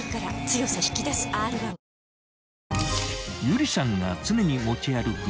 ［有理さんが常に持ち歩く